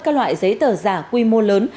các loại giấy tờ giả quy mô lớn